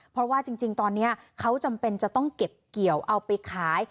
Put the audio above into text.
เพราะว่าจริงตอนนี้เขาจำเป็นจะต้องเก็บเกี่ยวเอาไปขาย